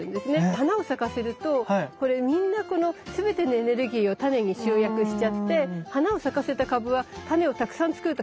花を咲かせるとこれみんなこの全てのエネルギーをタネに集約しちゃって花を咲かせた株はタネをたくさん作ると枯れちゃうんです。